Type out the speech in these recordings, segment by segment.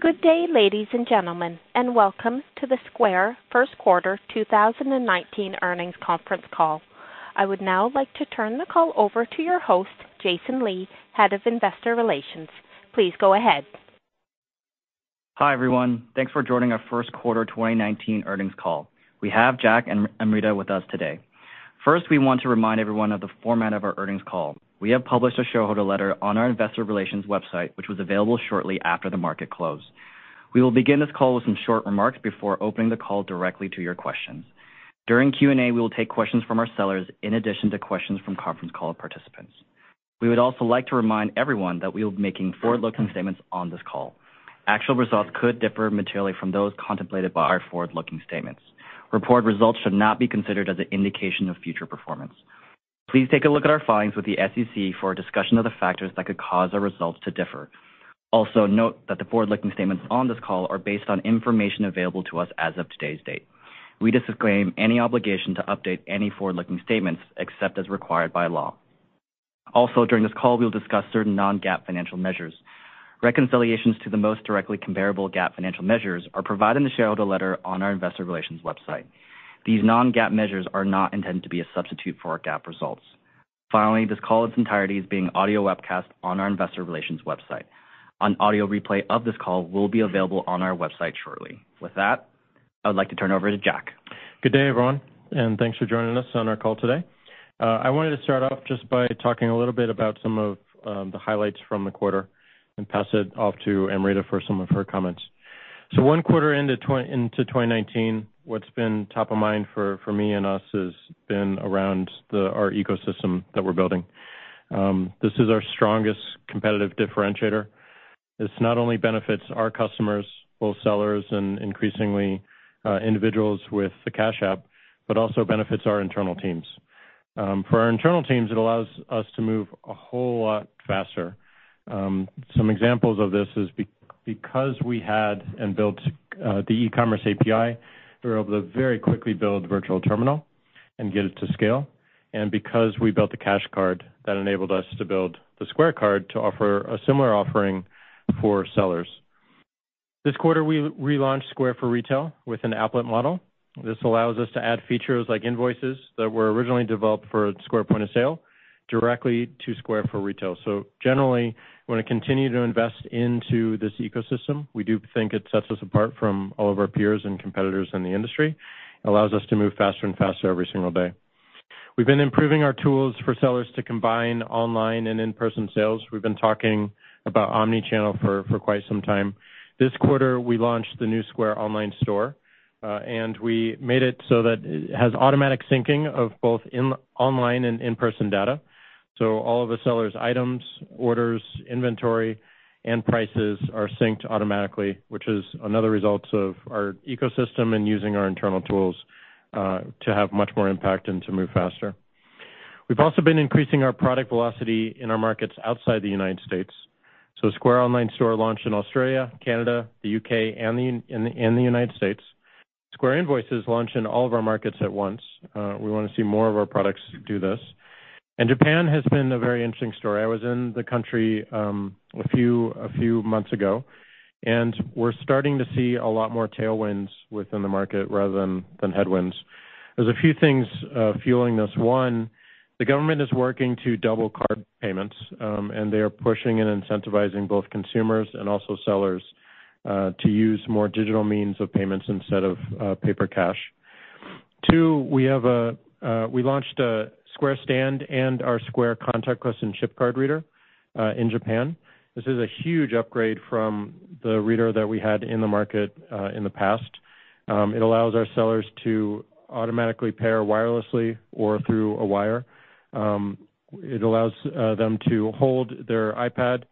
Good day, ladies and gentlemen, and welcome to the Square first quarter 2019 earnings conference call. I would now like to turn the call over to your host, Jason Lee, Head of Investor Relations. Please go ahead. Hi, everyone. Thanks for joining our first quarter 2019 earnings call. We have Jack and Amrita with us today. First, we want to remind everyone of the format of our earnings call. We have published a shareholder letter on our investor relations website, which was available shortly after the market closed. We will begin this call with some short remarks before opening the call directly to your questions. During Q&A, we will take questions from our sellers in addition to questions from conference call participants. We would also like to remind everyone that we'll be making forward-looking statements on this call. Actual results could differ materially from those contemplated by our forward-looking statements. Reported results should not be considered as an indication of future performance. Please take a look at our filings with the SEC for a discussion of the factors that could cause our results to differ. Note that the forward-looking statements on this call are based on information available to us as of today's date. We disclaim any obligation to update any forward-looking statements except as required by law. Also, during this call, we'll discuss certain non-GAAP financial measures. Reconciliations to the most directly comparable GAAP financial measures are provided in the shareholder letter on our investor relations website. These non-GAAP measures are not intended to be a substitute for our GAAP results. This call in its entirety is being audio webcast on our investor relations website. An audio replay of this call will be available on our website shortly. With that, I would like to turn over to Jack. Good day, everyone, and thanks for joining us on our call today. I wanted to start off just by talking a little bit about some of the highlights from the quarter and pass it off to Amrita for some of her comments. One quarter into 2019, what's been top of mind for me and us has been around our ecosystem that we're building. This is our strongest competitive differentiator. This not only benefits our customers, both sellers and increasingly, individuals with the Cash App, but also benefits our internal teams. For our internal teams, it allows us to move a whole lot faster. Some examples of this is because we had and built the e-commerce API, we were able to very quickly build Virtual Terminal and get it to scale. Because we built the Cash Card, that enabled us to build the Square Card to offer a similar offering for sellers. This quarter, we relaunched Square for Retail with an applet model. This allows us to add features like invoices that were originally developed for Square Point of Sale directly to Square for Retail. Generally, we're going to continue to invest into this ecosystem. We do think it sets us apart from all of our peers and competitors in the industry. It allows us to move faster and faster every single day. We've been improving our tools for sellers to combine online and in-person sales. We've been talking about omnichannel for quite some time. This quarter, we launched the new Square Online store, we made it so that it has automatic syncing of both online and in-person data. All of a seller's items, orders, inventory, and prices are synced automatically, which is another result of our ecosystem and using our internal tools, to have much more impact and to move faster. We've also been increasing our product velocity in our markets outside the U.S. Square Online store launched in Australia, Canada, the U.K., and the U.S. Square Invoices launched in all of our markets at once. We want to see more of our products do this. Japan has been a very interesting story. I was in the country a few months ago, we're starting to see a lot more tailwinds within the market rather than headwinds. There's a few things fueling this. One, the government is working to double card payments, they are pushing and incentivizing both consumers and also sellers to use more digital means of payments instead of paper cash. Two, we launched a Square Stand and our Square Contactless and Chip Card Reader in Japan. This is a huge upgrade from the reader that we had in the market in the past. It allows our sellers to automatically pair wirelessly or through a wire. It allows them to hold their iPad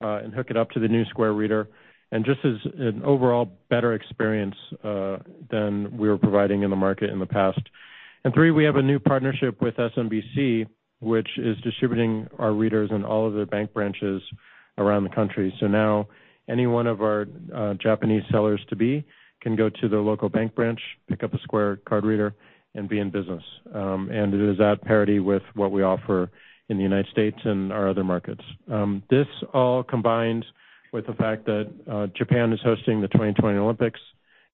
and hook it up to the new Square Reader and just is an overall better experience than we were providing in the market in the past. Three, we have a new partnership with SMBC, which is distributing our readers in all of their bank branches around the country. Now any one of our Japanese sellers to-be can go to their local bank branch, pick up a Square Card Reader, and be in business. It is at parity with what we offer in the U.S. and our other markets. This all combines with the fact that Japan is hosting the 2020 Olympics,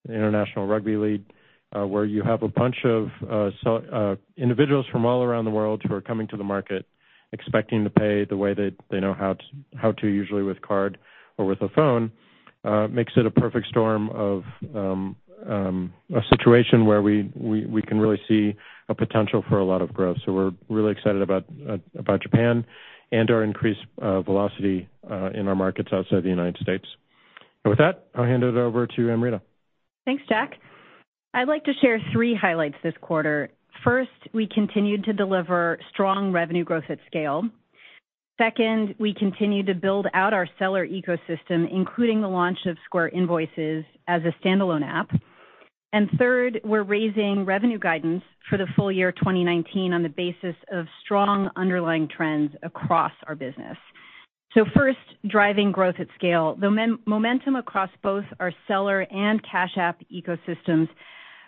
the Rugby World Cup, where you have a bunch of individuals from all around the world who are coming to the market expecting to pay the way that they know how to, usually with card or with a phone. Makes it a perfect storm of a situation where we can really see a potential for a lot of growth. We're really excited about Japan and our increased velocity in our markets outside the U.S. With that, I'll hand it over to Amrita. Thanks, Jack. I'd like to share three highlights this quarter. First, we continued to deliver strong revenue growth at scale. Second, we continued to build out our seller ecosystem, including the launch of Square Invoices as a standalone app. Third, we're raising revenue guidance for the full year 2019 on the basis of strong underlying trends across our business. First, driving growth at scale. The momentum across both our seller and Cash App ecosystems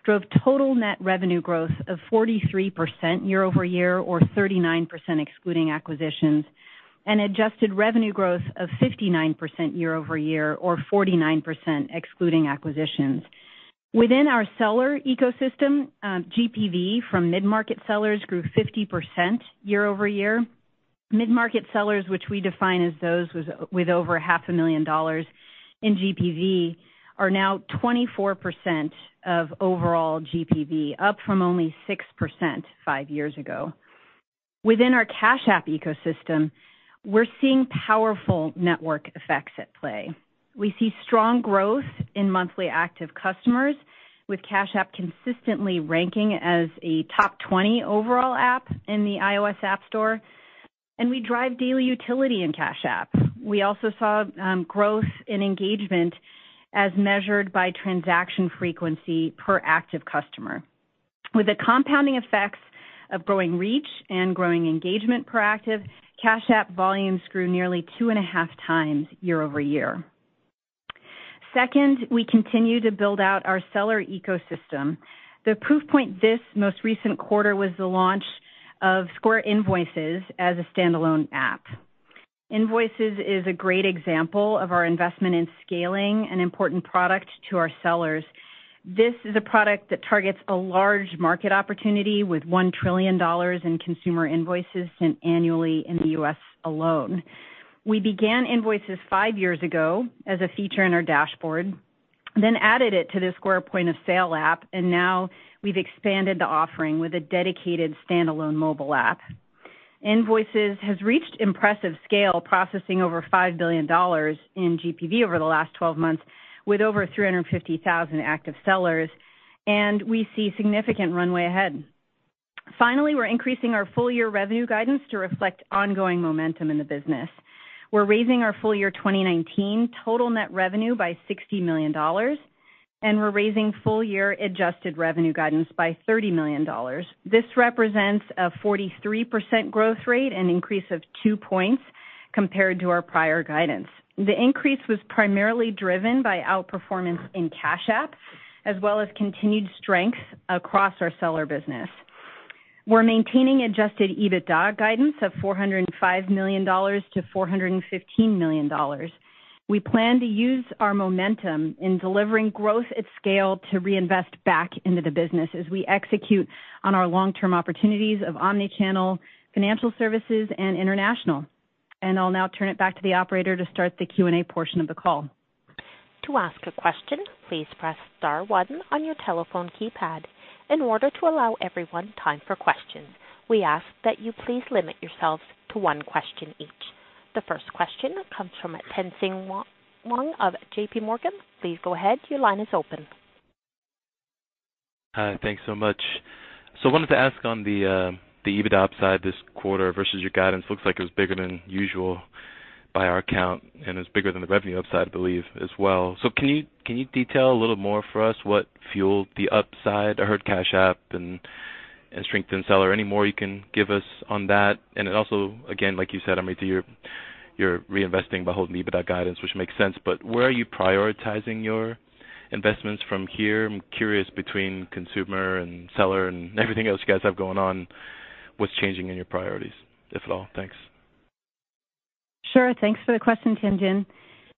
drove total net revenue growth of 43% year over year, or 39% excluding acquisitions, and adjusted revenue growth of 59% year over year, or 49% excluding acquisitions. Within our seller ecosystem, GPV from mid-market sellers grew 50% year over year. Mid-market sellers, which we define as those with over half a million dollars in GPV, are now 24% of overall GPV, up from only 6% five years ago. Within our Cash App ecosystem, we're seeing powerful network effects at play. We see strong growth in monthly active customers, with Cash App consistently ranking as a top 20 overall app in the iOS App Store. We drive daily utility in Cash App. We also saw growth in engagement as measured by transaction frequency per active customer. With the compounding effects of growing reach and growing engagement per active, Cash App volumes grew nearly two and a half times year over year. Second, we continue to build out our seller ecosystem. The proof point this most recent quarter was the launch of Square Invoices as a standalone app. Invoices is a great example of our investment in scaling an important product to our sellers. This is a product that targets a large market opportunity with $1 trillion in consumer invoices sent annually in the U.S. alone. We began Invoices five years ago as a feature in our dashboard, then added it to the Square Point of Sale app. Now we've expanded the offering with a dedicated standalone mobile app. Invoices has reached impressive scale, processing over $5 billion in GPV over the last 12 months, with over 350,000 active sellers. We see significant runway ahead. Finally, we're increasing our full year revenue guidance to reflect ongoing momentum in the business. We're raising our full year 2019 total net revenue by $60 million. We're raising full year adjusted revenue guidance by $30 million. This represents a 43% growth rate, an increase of two points compared to our prior guidance. The increase was primarily driven by outperformance in Cash App, as well as continued strength across our seller business. We're maintaining adjusted EBITDA guidance of $405 million to $415 million. We plan to use our momentum in delivering growth at scale to reinvest back into the business as we execute on our long-term opportunities of omni-channel financial services and international. I'll now turn it back to the operator to start the Q&A portion of the call. To ask a question, please press star one on your telephone keypad. In order to allow everyone time for questions, we ask that you please limit yourselves to one question each. The first question comes from Tien-Tsin Huang of JPMorgan. Please go ahead. Your line is open. Hi. Thanks so much. I wanted to ask on the EBITDA upside this quarter versus your guidance. Looks like it was bigger than usual by our account, and it's bigger than the revenue upside, I believe, as well. Can you detail a little more for us what fueled the upside? I heard Cash App and strength in seller. Any more you can give us on that? Also, again, like you said, Amrita, you're reinvesting by holding EBITDA guidance, which makes sense, but where are you prioritizing your investments from here? I'm curious between consumer and seller and everything else you guys have going on, what's changing in your priorities, if at all? Thanks. Sure. Thanks for the question,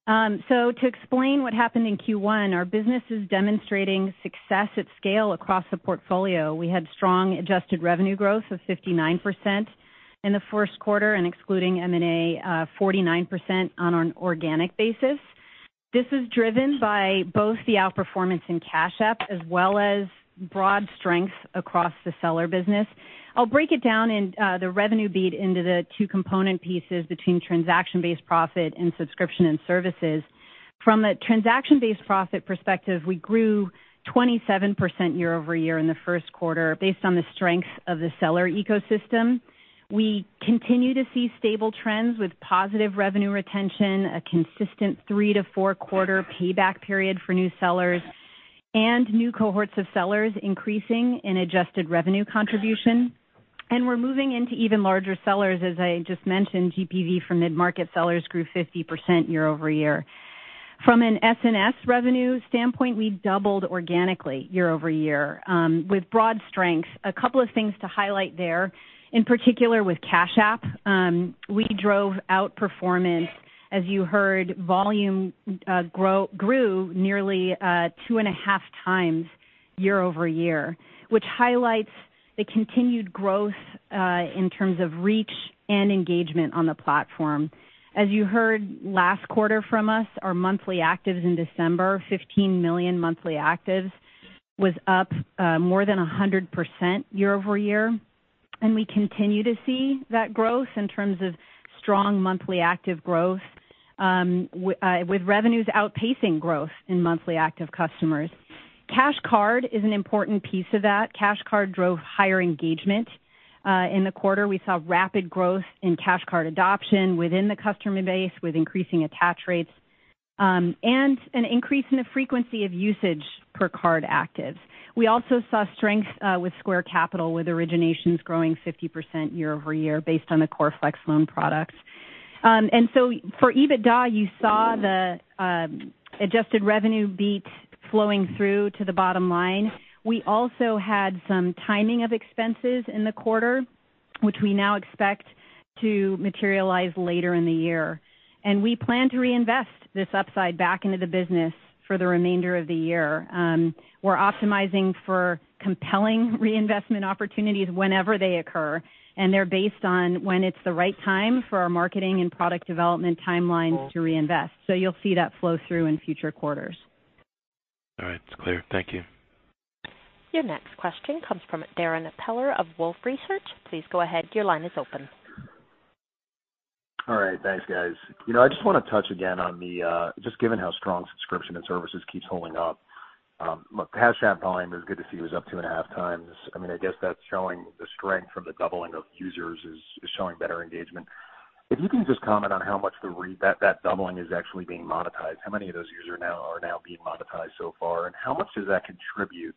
Tien-Tsin. To explain what happened in Q1, our business is demonstrating success at scale across the portfolio. We had strong adjusted revenue growth of 59% in the first quarter, and excluding M&A, 49% on an organic basis. This is driven by both the outperformance in Cash App as well as broad strength across the seller business. I'll break it down in the revenue beat into the two component pieces between transaction-based profit and subscription and services. From a transaction-based profit perspective, we grew 27% year-over-year in the first quarter based on the strength of the seller ecosystem. We continue to see stable trends with positive revenue retention, a consistent three to four quarter payback period for new sellers, and new cohorts of sellers increasing in adjusted revenue contribution. We're moving into even larger sellers. As I just mentioned, GPV for mid-market sellers grew 50% year-over-year. From an SNS revenue standpoint, we doubled organically year-over-year. With broad strength, a couple of things to highlight there, in particular with Cash App, we drove outperformance. As you heard, volume grew nearly two and a half times year-over-year, which highlights the continued growth, in terms of reach and engagement on the platform. As you heard last quarter from us, our monthly actives in December, 15 million monthly actives, was up more than 100% year-over-year, and we continue to see that growth in terms of strong monthly active growth, with revenues outpacing growth in monthly active customers. Cash Card is an important piece of that. Cash Card drove higher engagement. In the quarter, we saw rapid growth in Cash Card adoption within the customer base with increasing attach rates, and an increase in the frequency of usage per card active. We also saw strength with Square Capital, with originations growing 50% year-over-year based on the Core Flex Loan products. For EBITDA, you saw the adjusted revenue beat flowing through to the bottom line. We also had some timing of expenses in the quarter, which we now expect to materialize later in the year. We plan to reinvest this upside back into the business for the remainder of the year. We're optimizing for compelling reinvestment opportunities whenever they occur, and they're based on when it's the right time for our marketing and product development timelines to reinvest. You'll see that flow through in future quarters. All right. It's clear. Thank you. Your next question comes from Darrin Peller of Wolfe Research. Please go ahead. Your line is open. All right. Thanks, guys. I just want to touch again on the, just given how strong Subscription and services keeps holding up. Look, Cash App volume is good to see it was up two and a half times. I guess that's showing the strength from the doubling of users is showing better engagement. If you can just comment on how much that doubling is actually being monetized, how many of those users now are now being monetized so far, and how much does that contribute,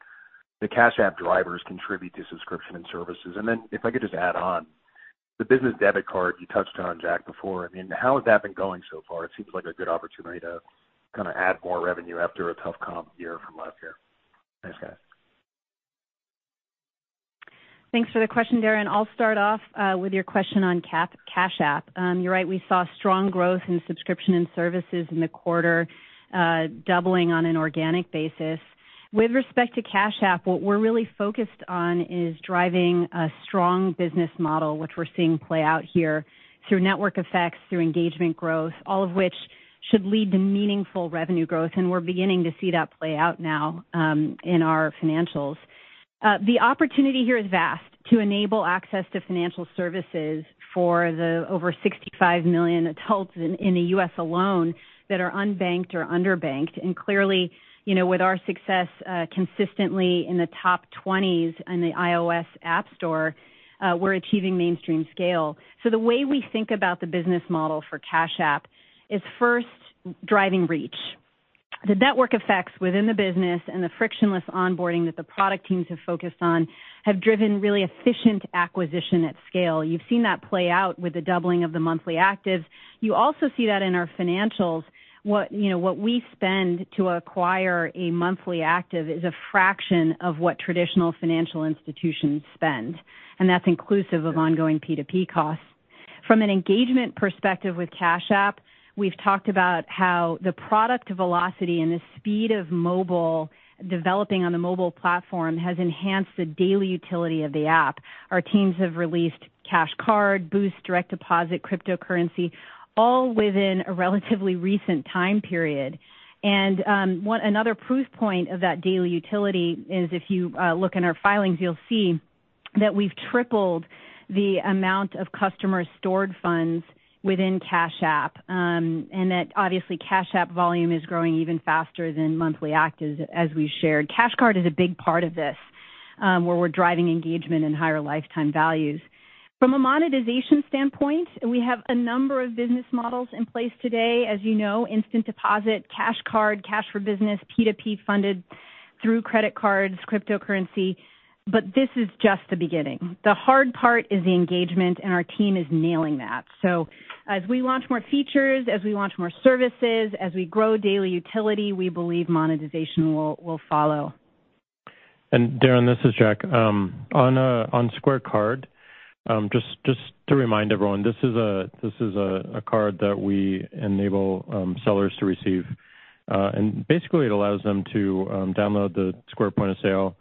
the Cash App drivers contribute to Subscription and services? If I could just add on, the business debit card you touched on, Jack, before. I mean, how has that been going so far? It seems like a good opportunity to add more revenue after a tough comp year from last year. Thanks, guys. Thanks for the question, Darrin. I will start off with your question on Cash App. You are right, we saw strong growth in Subscription and services-based revenue in the quarter, doubling on an organic basis. With respect to Cash App, what we are really focused on is driving a strong business model, which we are seeing play out here through network effects, through engagement growth, all of which should lead to meaningful revenue growth, and we are beginning to see that play out now in our financials. The opportunity here is vast to enable access to financial services for the over 65 million adults in the U.S. alone that are unbanked or underbanked. Clearly, with our success consistently in the top 20s in the iOS App Store, we are achieving mainstream scale. The way we think about the business model for Cash App is first driving reach. The network effects within the business and the frictionless onboarding that the product teams have focused on have driven really efficient acquisition at scale. You have seen that play out with the doubling of the monthly actives. You also see that in our financials. What we spend to acquire a monthly active is a fraction of what traditional financial institutions spend, and that is inclusive of ongoing P2P costs. From an engagement perspective with Cash App, we have talked about how the product velocity and the speed of mobile developing on the mobile platform has enhanced the daily utility of the app. Our teams have released Cash Card, Boost, direct deposit, cryptocurrency, all within a relatively recent time period. Another proof point of that daily utility is if you look in our filings, you will see that we have tripled the amount of customer stored funds within Cash App. That obviously Cash App volume is growing even faster than monthly actives, as we shared. Cash Card is a big part of this, where we are driving engagement and higher lifetime values. From a monetization standpoint, we have a number of business models in place today. As you know, instant deposit, Cash Card, Cash for Business, P2P funded through credit cards, cryptocurrency, but this is just the beginning. The hard part is the engagement, and our team is nailing that. As we launch more features, as we launch more services, as we grow daily utility, we believe monetization will follow. Darrin, this is Jack. On Square Card, just to remind everyone, this is a card that we enable sellers to receive. Basically it allows them to download the Square Point of Sale,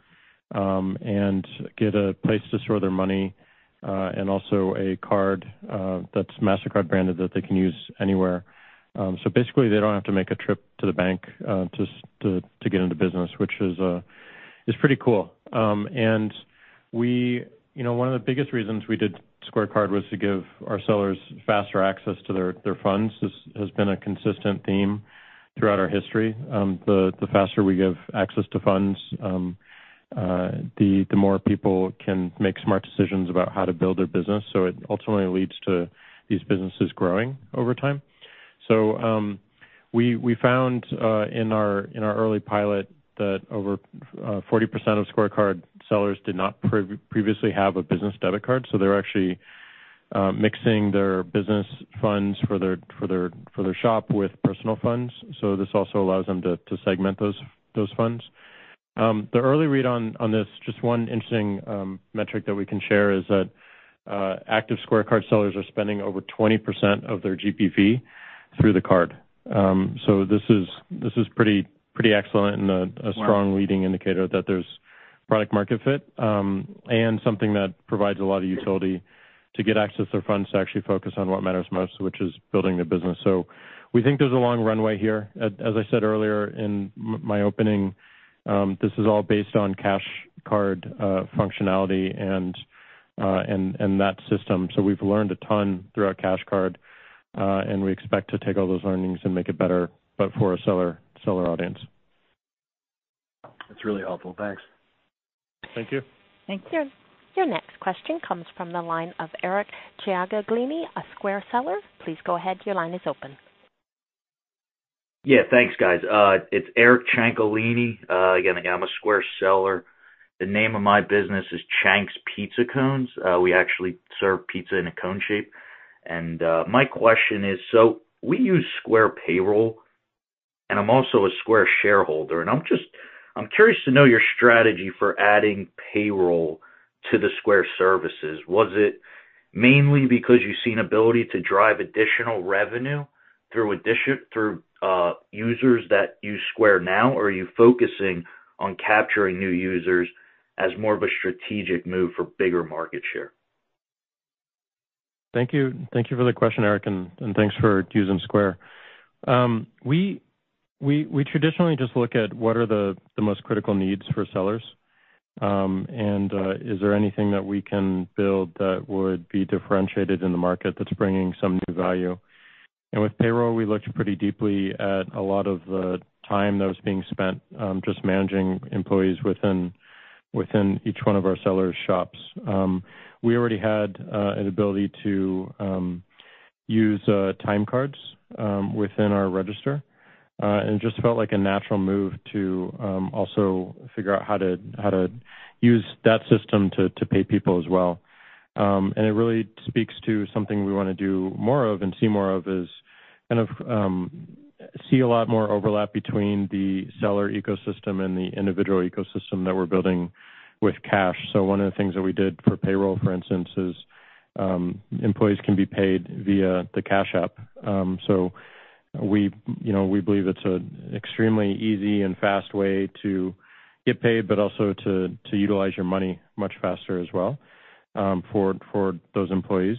and get a place to store their money, and also a card that is Mastercard branded that they can use anywhere. Basically they do not have to make a trip to the bank to get into business, which is pretty cool. One of the biggest reasons we did Square Card was to give our sellers faster access to their funds. This has been a consistent theme throughout our history. The faster we give access to funds, the more people can make smart decisions about how to build their business. It ultimately leads to these businesses growing over time. We found in our early pilot that over 40% of Square Card sellers did not previously have a business debit card, they're actually mixing their business funds for their shop with personal funds. This also allows them to segment those funds. The early read on this, just one interesting metric that we can share is that active Square Card sellers are spending over 20% of their GPV through the card. This is pretty excellent and a strong leading indicator that there's product market fit, and something that provides a lot of utility to get access to funds to actually focus on what matters most, which is building the business. We think there's a long runway here. As I said earlier in my opening, this is all based on Cash Card functionality and that system. We've learned a ton through our Cash Card, and we expect to take all those learnings and make it better, but for a seller audience. That's really helpful. Thanks. Thank you. Thank you. Your next question comes from the line of Eric Ciancaglini, a Square seller. Please go ahead. Your line is open. Yeah. Thanks, guys. It's Eric Ciancaglini. Again, I'm a Square seller. The name of my business is Chank's Pizza Cones. We actually serve pizza in a cone shape. My question is, we use Square Payroll, and I'm also a Square shareholder, and I'm curious to know your strategy for adding Payroll to the Square services. Was it mainly because you see an ability to drive additional revenue through users that use Square now, or are you focusing on capturing new users as more of a strategic move for bigger market share? Thank you for the question, Eric, and thanks for using Square. We traditionally just look at what are the most critical needs for sellers, and is there anything that we can build that would be differentiated in the market that's bringing some new value. With Payroll, we looked pretty deeply at a lot of the time that was being spent just managing employees within each one of our sellers' shops. We already had an ability to use timecards within our register, and it just felt like a natural move to also figure out how to use that system to pay people as well. It really speaks to something we want to do more of and see more of, is kind of see a lot more overlap between the seller ecosystem and the individual ecosystem that we're building with Cash. One of the things that we did for Payroll, for instance, is employees can be paid via the Cash App. We believe it's an extremely easy and fast way to get paid, but also to utilize your money much faster as well for those employees.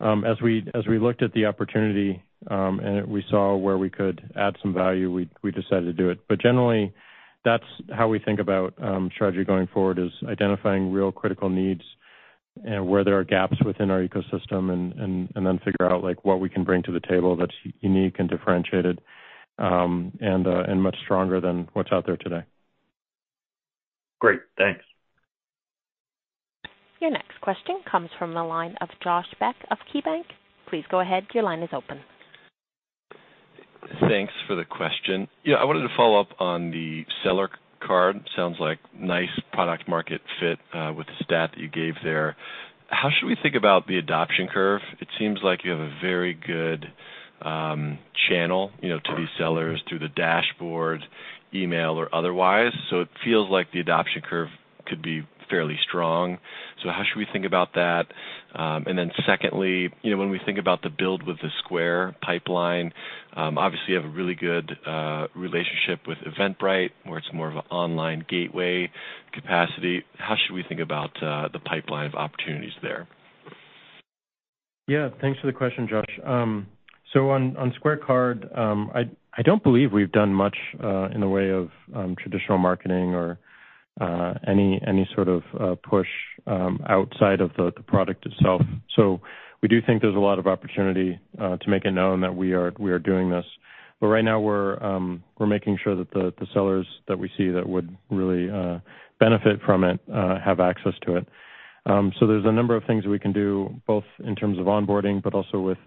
As we looked at the opportunity, and we saw where we could add some value, we decided to do it. Generally, that's how we think about strategy going forward, is identifying real critical needs and where there are gaps within our ecosystem and then figure out what we can bring to the table that's unique and differentiated, and much stronger than what's out there today. Great, thanks. Your next question comes from the line of Josh Beck of KeyBanc. Please go ahead. Your line is open. Thanks for the question. I wanted to follow up on the Square Card. Sounds like nice product market fit with the stat that you gave there. How should we think about the adoption curve? It seems like you have a very good channel to these sellers through the dashboard, email or otherwise, it feels like the adoption curve could be fairly strong. How should we think about that? Then secondly, when we think about the Build with Square pipeline, obviously you have a really good relationship with Eventbrite, where it's more of an online gateway capacity. How should we think about the pipeline of opportunities there? Thanks for the question, Josh. On Square Card, I don't believe we've done much in the way of traditional marketing or any sort of push outside of the product itself. We do think there's a lot of opportunity to make it known that we are doing this. Right now we're making sure that the sellers that we see that would really benefit from it have access to it. There's a number of things that we can do, both in terms of onboarding, but also with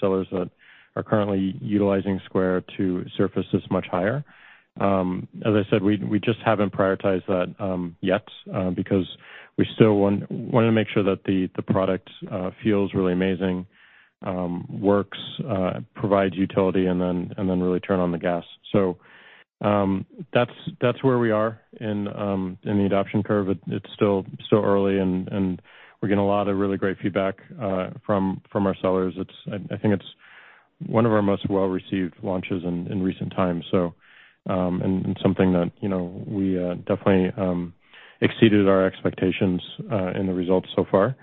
sellers that are currently utilizing Square to surface this much higher. As I said, we just haven't prioritized that yet because we still want to make sure that the product feels really amazing, works, provides utility, and then really turn on the gas. That's where we are in the adoption curve. It's still early, and we're getting a lot of really great feedback from our sellers. I think it's one of our most well-received launches in recent times, and something that we definitely exceeded our expectations in the results so far.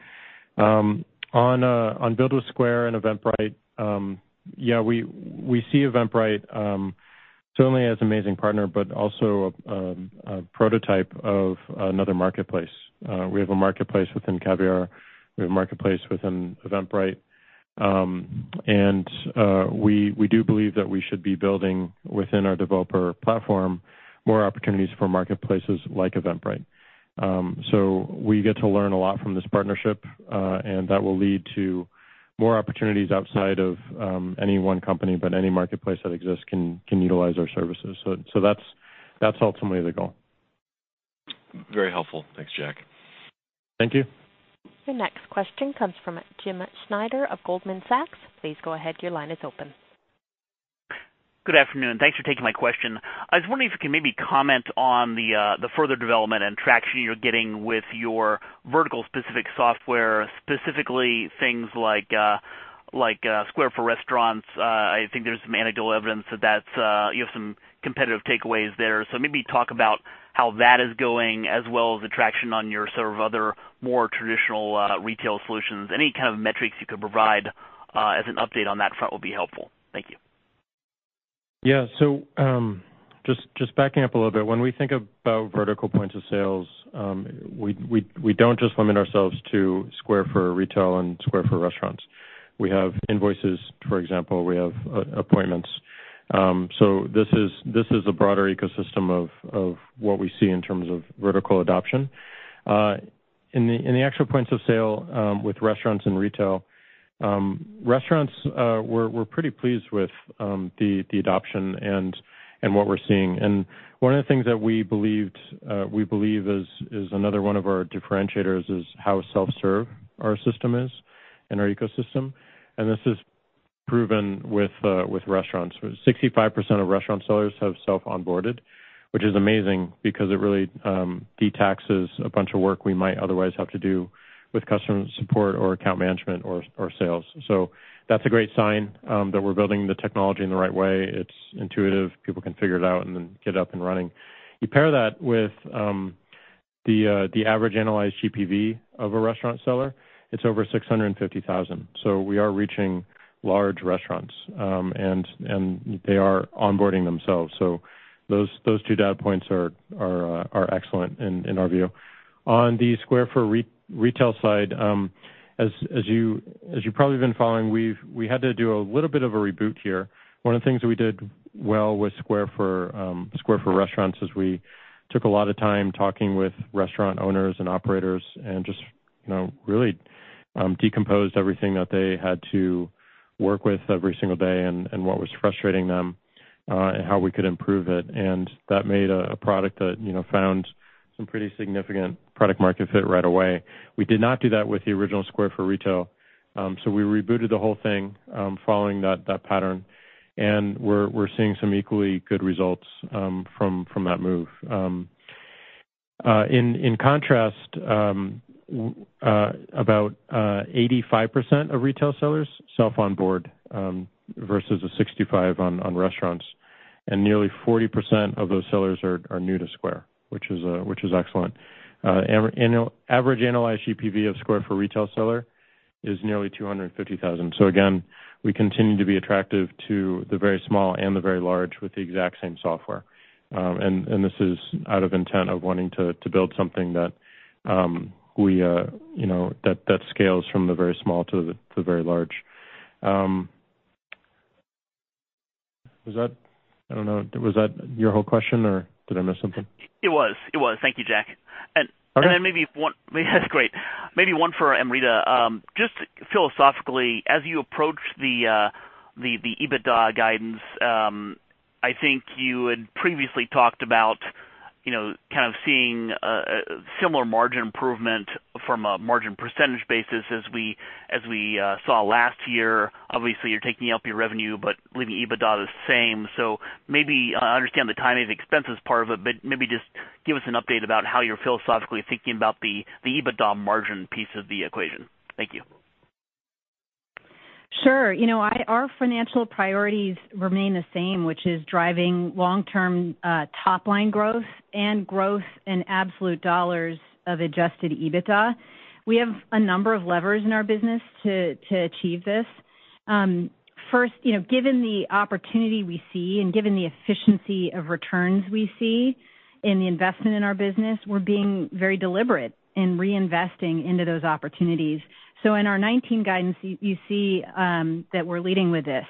On Build with Square and Eventbrite, we see Eventbrite certainly as an amazing partner, but also a prototype of another marketplace. We have a marketplace within Caviar, we have a marketplace within Eventbrite. We do believe that we should be building within our developer platform more opportunities for marketplaces like Eventbrite. We get to learn a lot from this partnership, and that will lead to more opportunities outside of any one company, but any marketplace that exists can utilize our services. That's ultimately the goal. Very helpful. Thanks, Jack. Thank you. Your next question comes from James Schneider of Goldman Sachs. Please go ahead. Your line is open. Good afternoon. Thanks for taking my question. I was wondering if you could maybe comment on the further development and traction you're getting with your vertical specific software, specifically things like Square for Restaurants. I think there's some anecdotal evidence that you have some competitive takeaways there. Maybe talk about how that is going as well as the traction on your sort of other more traditional retail solutions. Any kind of metrics you could provide as an update on that front will be helpful. Thank you. Yeah. Just backing up a little bit, when we think about vertical points of sales, we don't just limit ourselves to Square for Retail and Square for Restaurants. We have Invoices, for example, we have Appointments. This is a broader ecosystem of what we see in terms of vertical adoption. In the actual points of sale with restaurants and retail, restaurants, we're pretty pleased with the adoption and what we're seeing. One of the things that we believe is another one of our differentiators is how self-serve our system is and our ecosystem, and this is proven with restaurants. 65% of restaurant sellers have self-onboarded, which is amazing because it really de-taxes a bunch of work we might otherwise have to do with customer support or account management or sales. That's a great sign that we're building the technology in the right way. It's intuitive. People can figure it out and then get up and running. You pair that with the average analyzed GPV of a restaurant seller, it's over $650,000. We are reaching large restaurants, and they are onboarding themselves. Those two data points are excellent in our view. On the Square for Retail side, as you probably have been following, we had to do a little bit of a reboot here. One of the things we did well with Square for Restaurants is we took a lot of time talking with restaurant owners and operators and just really decomposed everything that they had to work with every single day and what was frustrating them, and how we could improve it. That made a product that found some pretty significant product market fit right away. We did not do that with the original Square for Retail. We rebooted the whole thing, following that pattern, we're seeing some equally good results from that move. In contrast, about 85% of retail sellers self-onboard, versus the 65 on restaurants, nearly 40% of those sellers are new to Square, which is excellent. Average analyzed GPV of Square for Retail seller is nearly $250,000. Again, we continue to be attractive to the very small and the very large with the exact same software. This is out of intent of wanting to build something that scales from the very small to the very large. Was that, I don't know, was that your whole question, or did I miss something? It was. Thank you, Jack. Okay. Maybe one for Amrita. Just philosophically, as you approach the EBITDA guidance, I think you had previously talked about kind of seeing a similar margin improvement from a margin percentage basis as we saw last year. Obviously, you're taking up your revenue, but leaving EBITDA the same. Maybe I understand the timing expenses part of it, but maybe just give us an update about how you're philosophically thinking about the EBITDA margin piece of the equation. Thank you. Sure. Our financial priorities remain the same, which is driving long-term top-line growth and growth in absolute dollars of adjusted EBITDA. We have a number of levers in our business to achieve this. First, given the opportunity we see and given the efficiency of returns we see in the investment in our business, we're being very deliberate in reinvesting into those opportunities. In our 2019 guidance, you see that we're leading with this.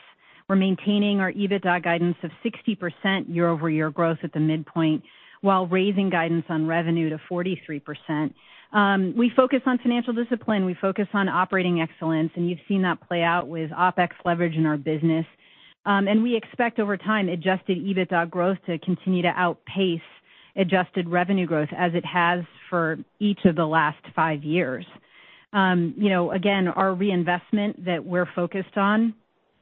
We're maintaining our EBITDA guidance of 60% year-over-year growth at the midpoint while raising guidance on revenue to 43%. We focus on financial discipline, we focus on operating excellence, and you've seen that play out with OpEx leverage in our business. We expect over time adjusted EBITDA growth to continue to outpace adjusted revenue growth as it has for each of the last five years. Our reinvestment that we're focused on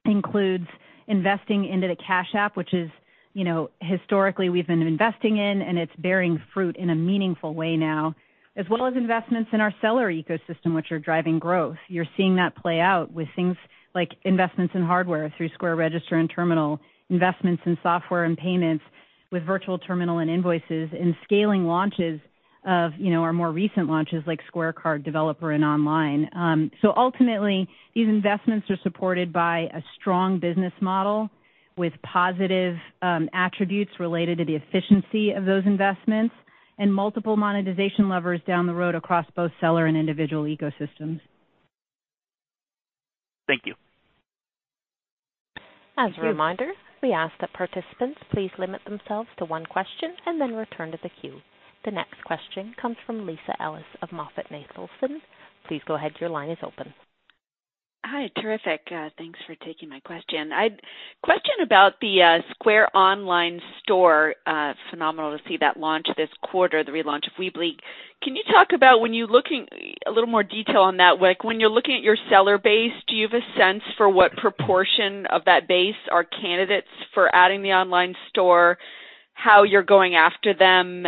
includes investing into the Cash App, which historically we've been investing in, and it's bearing fruit in a meaningful way now, as well as investments in our seller ecosystem, which are driving growth. You're seeing that play out with things like investments in hardware through Square Register and Terminal, investments in software and payments with Virtual Terminal and Invoices, and scaling launches of our more recent launches like Square Card, Developer, and Online. Ultimately, these investments are supported by a strong business model with positive attributes related to the efficiency of those investments and multiple monetization levers down the road across both seller and individual ecosystems. Thank you. As a reminder, we ask that participants please limit themselves to one question and then return to the queue. The next question comes from Lisa Ellis of MoffettNathanson. Please go ahead. Your line is open. Hi. Terrific. Thanks for taking my question. Question about the Square Online store. Phenomenal to see that launch this quarter, the relaunch of Weebly. Can you talk about when you're looking a little more detail on that, like when you're looking at your seller base, do you have a sense for what proportion of that base are candidates for adding the online store, how you're going after them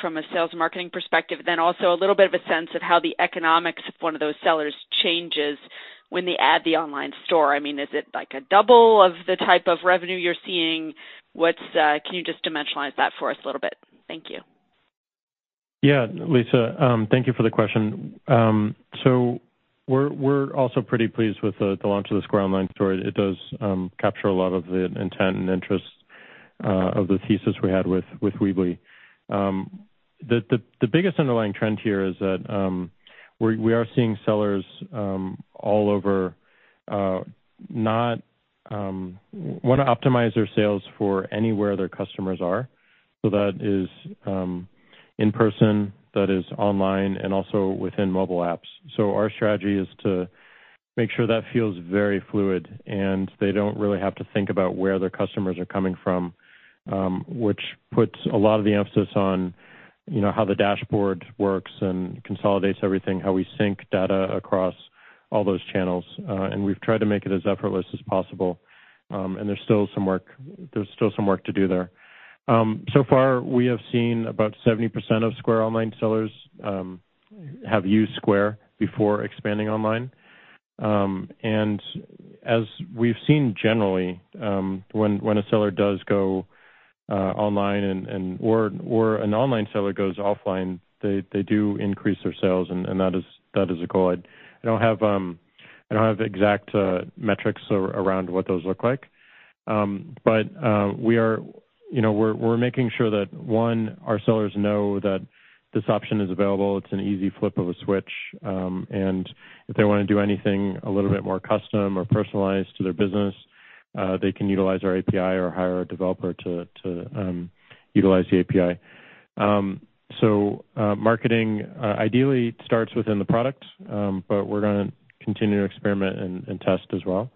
from a sales marketing perspective? Also a little bit of a sense of how the economics of one of those sellers changes when they add the online store. I mean, is it like a double of the type of revenue you're seeing? Can you just dimensionalize that for us a little bit? Thank you. Lisa, thank you for the question. We're also pretty pleased with the launch of the Square Online store. It does capture a lot of the intent and interest of the thesis we had with Weebly. The biggest underlying trend here is that we are seeing sellers all over want to optimize their sales for anywhere their customers are. That is in person, that is online, and also within mobile apps. Our strategy is to make sure that feels very fluid, and they don't really have to think about where their customers are coming from, which puts a lot of the emphasis on how the dashboard works and consolidates everything, how we sync data across all those channels. We've tried to make it as effortless as possible. There's still some work to do there. Far, we have seen about 70% of Square Online sellers have used Square before expanding online. As we've seen generally, when a seller does go online or an online seller goes offline, they do increase their sales, and that is a goal. I don't have exact metrics around what those look like. We're making sure that, one, our sellers know that this option is available. It's an easy flip of a switch. If they want to do anything a little bit more custom or personalized to their business, they can utilize our API or hire a developer to utilize the API. Marketing ideally starts within the product, but we're going to continue to experiment and test as well.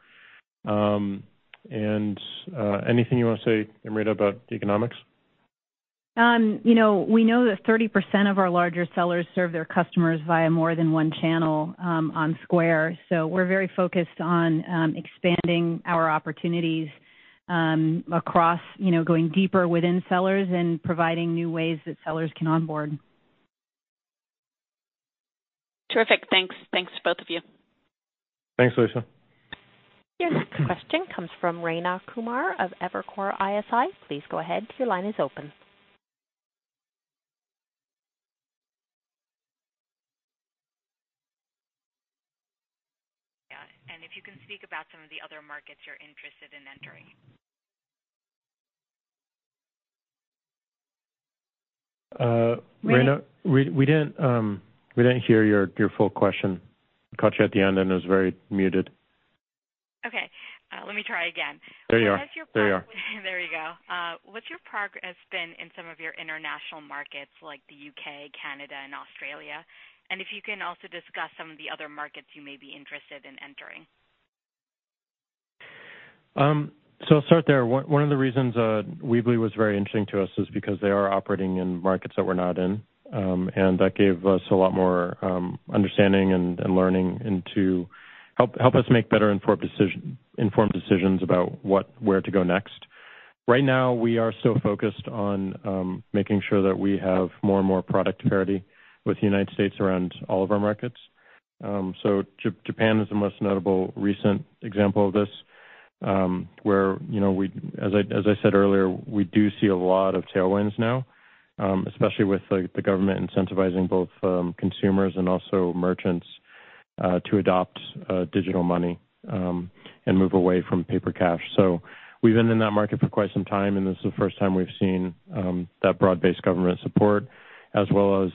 Anything you want to say, Amrita, about economics? We know that 30% of our larger sellers serve their customers via more than one channel on Square. We're very focused on expanding our opportunities across going deeper within sellers and providing new ways that sellers can onboard. Terrific. Thanks to both of you. Thanks, Lisa. Your next question comes from Rayna Kumar of Evercore ISI. Please go ahead. Your line is open. Yeah, if you can speak about some of the other markets you're interested in entering. Rayna, we didn't hear your full question. Caught you at the end, and it was very muted. Okay. Let me try again. There you are. There you go. What's your progress been in some of your international markets, like the U.K., Canada, and Australia? If you can also discuss some of the other markets you may be interested in entering. I'll start there. One of the reasons Weebly was very interesting to us is because they are operating in markets that we're not in. That gave us a lot more understanding and learning and to help us make better informed decisions about where to go next. Right now, we are so focused on making sure that we have more and more product parity with the United States around all of our markets. Japan is the most notable recent example of this, where as I said earlier, we do see a lot of tailwinds now, especially with the government incentivizing both consumers and also merchants to adopt digital money and move away from paper cash. We've been in that market for quite some time. This is the first time we've seen that broad-based government support, as well as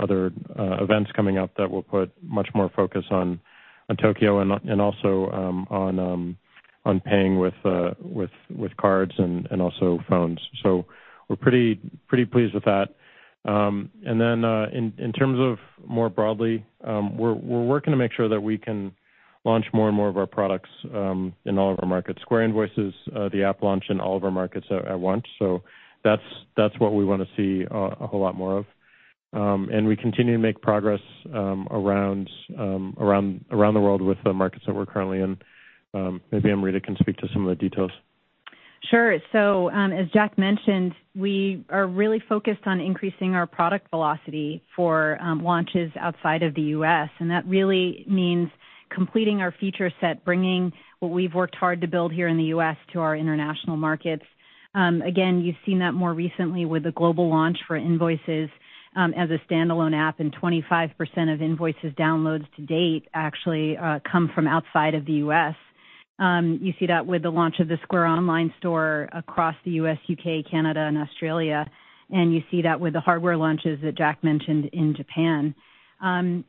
other events coming up that will put much more focus on Tokyo and also on paying with cards and also phones. We're pretty pleased with that. In terms of more broadly, we're working to make sure that we can launch more and more of our products in all of our markets. Square Invoices, the app launched in all of our markets at once. That's what we want to see a whole lot more of. We continue to make progress around the world with the markets that we're currently in. Maybe Amrita can speak to some of the details. Sure. As Jack mentioned, we are really focused on increasing our product velocity for launches outside of the U.S. That really means completing our feature set, bringing what we've worked hard to build here in the U.S. to our international markets. Again, you've seen that more recently with the global launch for Invoices as a standalone app, and 25% of Invoices downloads to date actually come from outside of the U.S. You see that with the launch of the Square Online store across the U.S., U.K., Canada, and Australia. You see that with the hardware launches that Jack mentioned in Japan.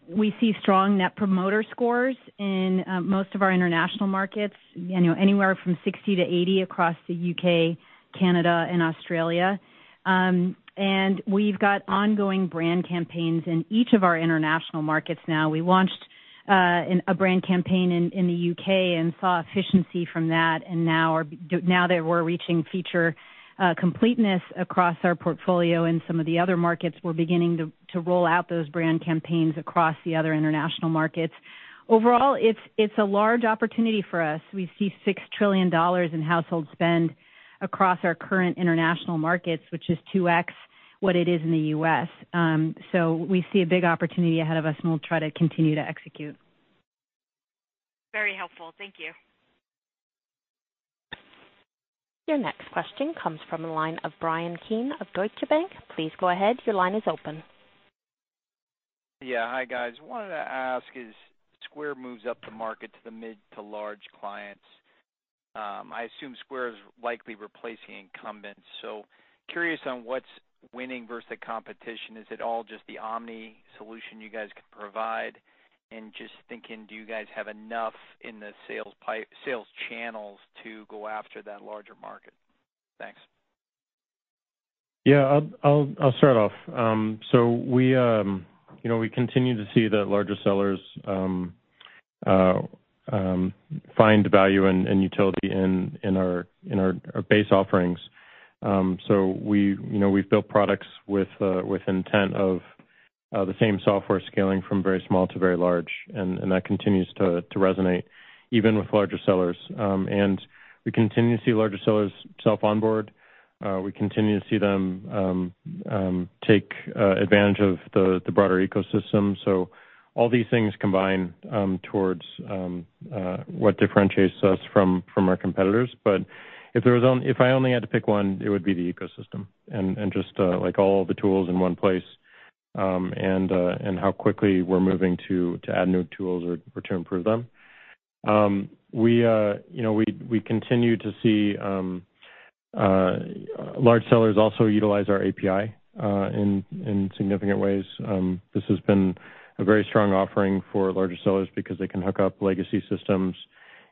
We see strong Net Promoter Scores in most of our international markets, anywhere from 60-80 across the U.K., Canada, and Australia. We've got ongoing brand campaigns in each of our international markets now. We launched a brand campaign in the U.K. Saw efficiency from that. Now that we're reaching feature completeness across our portfolio in some of the other markets, we're beginning to roll out those brand campaigns across the other international markets. Overall, it's a large opportunity for us. We see $6 trillion in household spend across our current international markets, which is 2x what it is in the U.S. We see a big opportunity ahead of us. We'll try to continue to execute. Very helpful. Thank you. Your next question comes from the line of Bryan Keane of Deutsche Bank. Please go ahead. Your line is open. Yeah. Hi, guys. Wanted to ask as Square moves up the market to the mid to large clients. I assume Square is likely replacing incumbents. Curious on what's winning versus the competition. Is it all just the omni solution you guys can provide? Just thinking, do you guys have enough in the sales channels to go after that larger market? Thanks. Yeah. I'll start off. We continue to see the larger sellers find value and utility in our base offerings. We've built products with intent of the same software scaling from very small to very large, and that continues to resonate even with larger sellers. We continue to see larger sellers self-onboard. We continue to see them take advantage of the broader ecosystem. All these things combine towards what differentiates us from our competitors. If I only had to pick one, it would be the ecosystem, and just all the tools in one place, and how quickly we're moving to add new tools or to improve them. We continue to see large sellers also utilize our API in significant ways. This has been a very strong offering for larger sellers because they can hook up legacy systems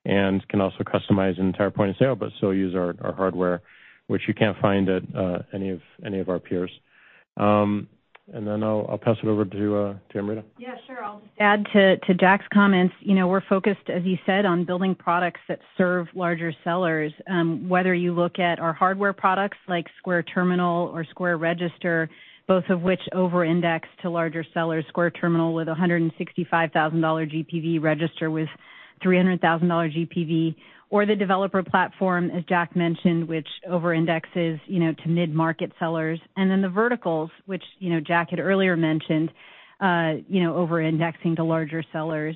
and can also customize an entire point of sale, but still use our hardware, which you can't find at any of our peers. I'll pass it over to Amrita. Yeah, sure. I'll just add to Jack's comments. We're focused, as you said, on building products that serve larger sellers, whether you look at our hardware products like Square Terminal or Square Register, both of which over-index to larger sellers, Square Terminal with $165,000 GPV, Register with $300,000 GPV, or the developer platform, as Jack mentioned, which over-indexes to mid-market sellers. The verticals, which Jack had earlier mentioned, over-indexing to larger sellers.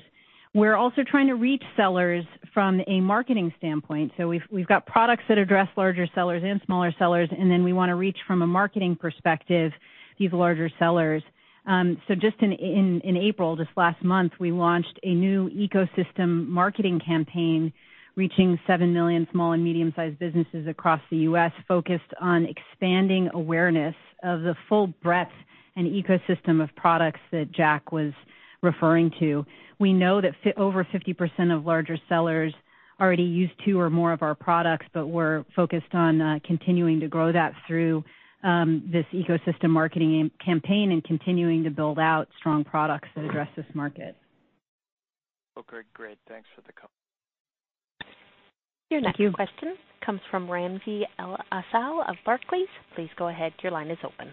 We're also trying to reach sellers from a marketing standpoint. We've got products that address larger sellers and smaller sellers, then we want to reach from a marketing perspective, these larger sellers. Just in April, this last month, we launched a new ecosystem marketing campaign reaching 7 million small and medium-sized businesses across the U.S. focused on expanding awareness of the full breadth and ecosystem of products that Jack was referring to. We know that over 50% of larger sellers already use two or more of our products, but we're focused on continuing to grow that through this ecosystem marketing campaign and continuing to build out strong products that address this market. Okay, great. Thanks for the call. Thank you. Your next question comes from Ramsey El-Assal of Barclays. Please go ahead. Your line is open.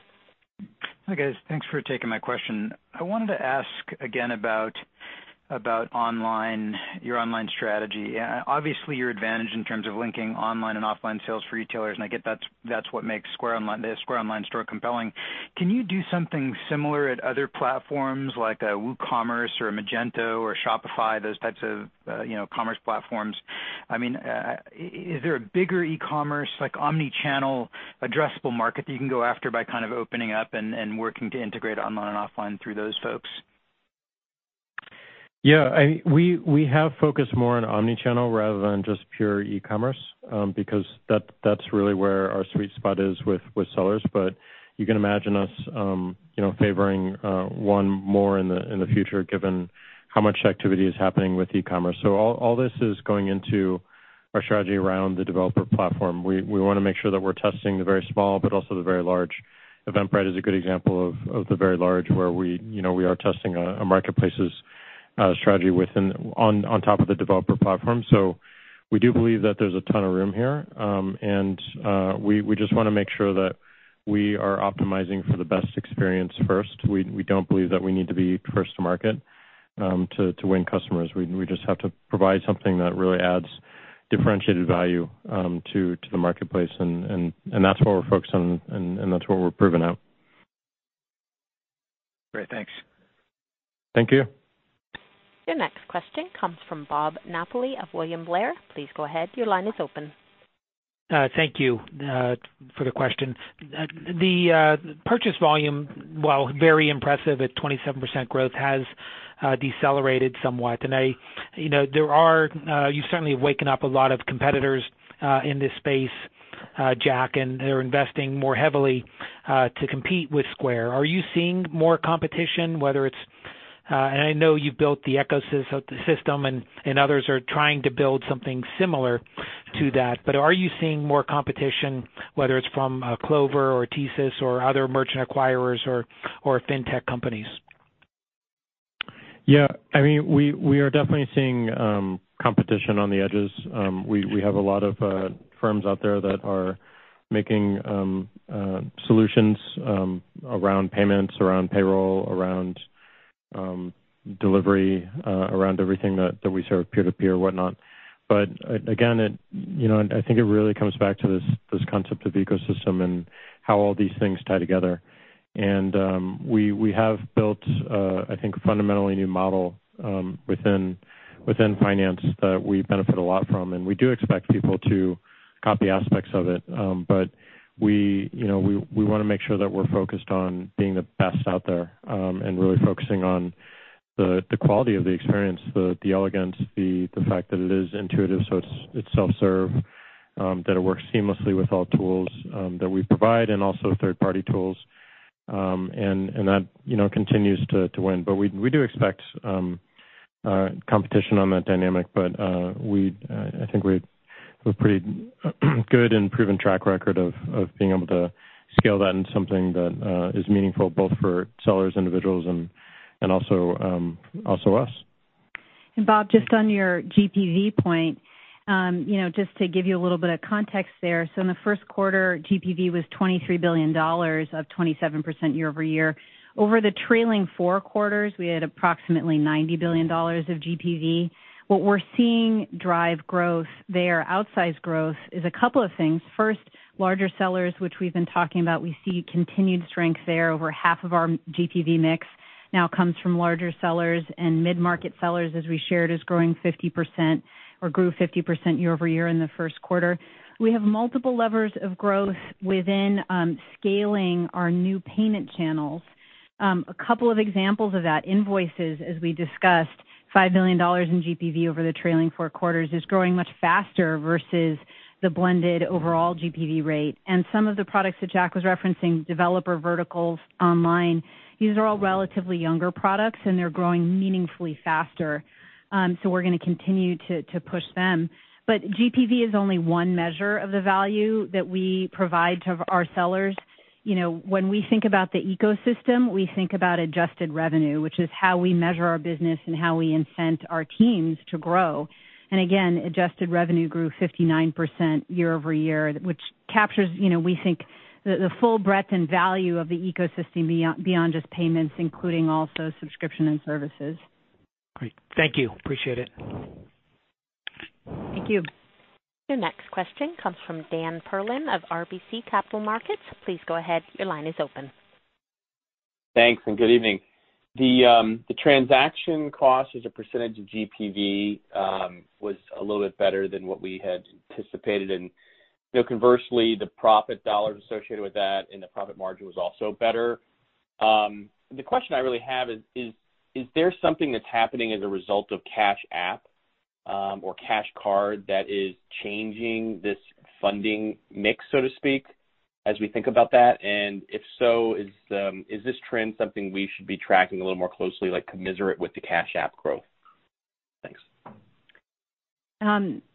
Hi, guys. Thanks for taking my question. I wanted to ask again about your online strategy. Obviously, you're advantaged in terms of linking online and offline sales for retailers, and I get that's what makes the Square Online store compelling. Can you do something similar at other platforms like a WooCommerce or a Magento or Shopify, those types of commerce platforms? Is there a bigger e-commerce, like omni-channel addressable market that you can go after by kind of opening up and working to integrate online and offline through those folks? Yeah. We have focused more on omni-channel rather than just pure e-commerce, because that's really where our sweet spot is with sellers. You can imagine us favoring one more in the future, given how much activity is happening with e-commerce. All this is going into our strategy around the developer platform. We want to make sure that we're testing the very small, but also the very large. Eventbrite is a good example of the very large where we are testing a marketplaces strategy on top of the developer platform. We do believe that there's a ton of room here. We just want to make sure that we are optimizing for the best experience first. We don't believe that we need to be first to market, to win customers. We just have to provide something that really adds differentiated value to the marketplace, and that's what we're focused on, and that's what we're proving out. Great. Thanks. Thank you. Your next question comes from Bob Napoli of William Blair. Please go ahead. Your line is open. Thank you for the question. The purchase volume, while very impressive at 27% growth, has decelerated somewhat. You certainly have waken up a lot of competitors, in this space, Jack, and they're investing more heavily, to compete with Square. I know you've built the ecosystem, and others are trying to build something similar to that. Are you seeing more competition, whether it's from Clover or Toast or other merchant acquirers or fintech companies? Yeah. We are definitely seeing competition on the edges. We have a lot of firms out there that are making solutions around payments, around payroll, around delivery, around everything that we serve P2P or whatnot. Again, I think it really comes back to this concept of ecosystem and how all these things tie together. We have built, I think, a fundamentally new model within finance that we benefit a lot from, and we do expect people to copy aspects of it. We want to make sure that we're focused on being the best out there, and really focusing on the quality of the experience, the elegance, the fact that it is intuitive, so it's self-serve, that it works seamlessly with all tools that we provide and also third-party tools. That continues to win. We do expect competition on that dynamic. I think we have a pretty good and proven track record of being able to scale that into something that is meaningful both for sellers, individuals, and also us. Bob, just on your GPV point, just to give you a little bit of context there. In the first quarter, GPV was $23 billion of 27% year-over-year. Over the trailing four quarters, we had approximately $90 billion of GPV. What we're seeing drive growth there, outsized growth, is a couple of things. First, larger sellers, which we've been talking about, we see continued strength there. Over half of our GPV mix now comes from larger sellers, and mid-market sellers, as we shared, is growing 50%, or grew 50% year-over-year in the first quarter. We have multiple levers of growth within scaling our new payment channels. A couple of examples of that, invoices, as we discussed, $5 billion in GPV over the trailing four quarters, is growing much faster versus the blended overall GPV rate. Some of the products that Jack was referencing, developer verticals, online, these are all relatively younger products, and they're growing meaningfully faster. We're going to continue to push them. GPV is only one measure of the value that we provide to our sellers. When we think about the ecosystem, we think about adjusted revenue, which is how we measure our business and how we incent our teams to grow. Again, adjusted revenue grew 59% year-over-year, which captures, we think, the full breadth and value of the ecosystem beyond just payments, including also subscription and services. Great. Thank you. Appreciate it. Thank you. Your next question comes from Dan Perlin of RBC Capital Markets. Please go ahead. Your line is open. Thanks. Good evening. The transaction cost as a percentage of GPV was a little bit better than what we had anticipated, and conversely, the profit dollars associated with that and the profit margin was also better. The question I really have is there something that's happening as a result of Cash App or Cash Card that is changing this funding mix, so to speak, as we think about that? If so, is this trend something we should be tracking a little more closely, like commensurate with the Cash App growth? Thanks.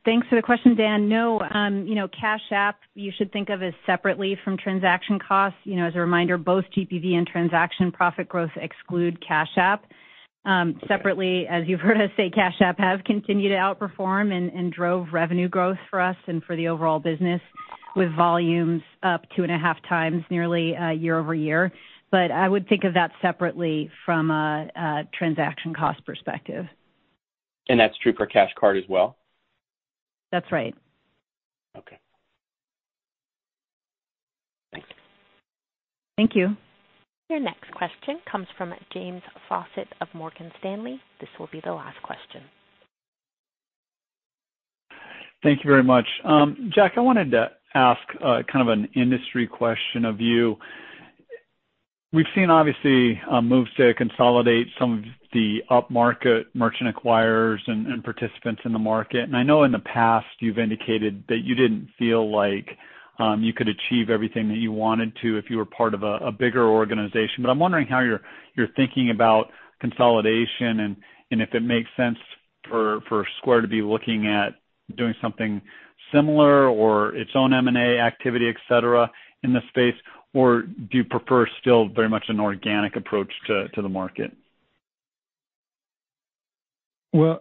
Thanks for the question, Dan. No. Cash App you should think of as separately from transaction costs. As a reminder, both GPV and transaction profit growth exclude Cash App. Separately, as you've heard us say, Cash App has continued to outperform and drove revenue growth for us and for the overall business, with volumes up two and a half times nearly, year-over-year. I would think of that separately from a transaction cost perspective. That's true for Cash Card as well? That's right. Okay. Thank you. Thank you. Your next question comes from James Faucette of Morgan Stanley. This will be the last question. Thank you very much. Jack, I wanted to ask kind of an industry question of you. We've seen, obviously, moves to consolidate some of the up-market merchant acquirers and participants in the market. I know in the past you've indicated that you didn't feel like you could achieve everything that you wanted to if you were part of a bigger organization. I'm wondering how you're thinking about consolidation, and if it makes sense for Square to be looking at doing something similar or its own M&A activity, et cetera, in the space, or do you prefer still very much an organic approach to the market? Well,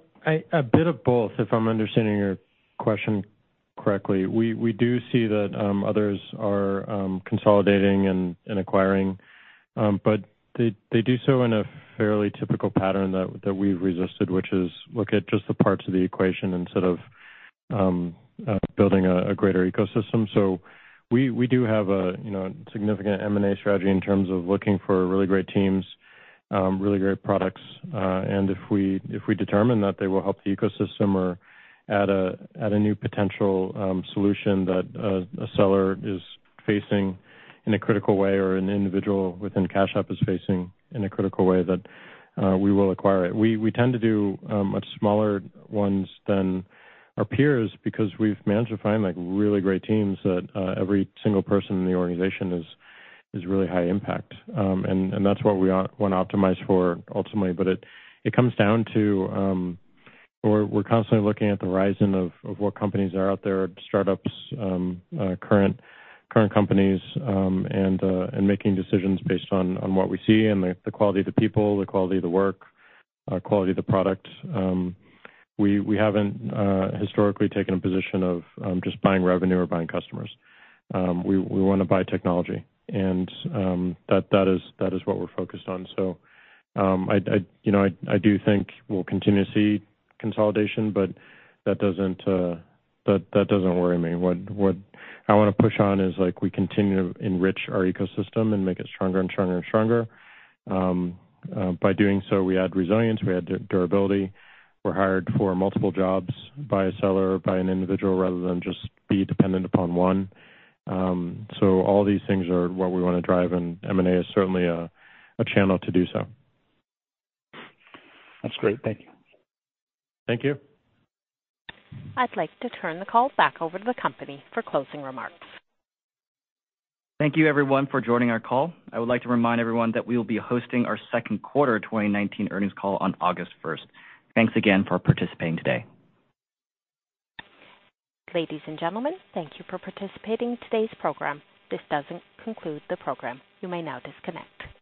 a bit of both, if I'm understanding your question correctly. We do see that others are consolidating and acquiring. They do so in a fairly typical pattern that we've resisted, which is look at just the parts of the equation instead of building a greater ecosystem. We do have a significant M&A strategy in terms of looking for really great teams, really great products. If we determine that they will help the ecosystem or add a new potential solution that a seller is facing in a critical way or an individual within Cash App is facing in a critical way, that we will acquire it. We tend to do much smaller ones than our peers, because we've managed to find really great teams that every single person in the organization is really high impact. That's what we want to optimize for ultimately. It comes down to we're constantly looking at the horizon of what companies are out there, startups, current companies, and making decisions based on what we see and the quality of the people, the quality of the work, quality of the product. We haven't historically taken a position of just buying revenue or buying customers. We want to buy technology, and that is what we're focused on. I do think we'll continue to see consolidation, but that doesn't worry me. What I want to push on is we continue to enrich our ecosystem and make it stronger and stronger and stronger. By doing so, we add resilience, we add durability. We're hired for multiple jobs by a seller, by an individual, rather than just be dependent upon one. All these things are what we want to drive, and M&A is certainly a channel to do so. That's great. Thank you. Thank you. I'd like to turn the call back over to the company for closing remarks. Thank you everyone for joining our call. I would like to remind everyone that we will be hosting our second quarter 2019 earnings call on August 1st. Thanks again for participating today. Ladies and gentlemen, thank you for participating in today's program. This does conclude the program. You may now disconnect.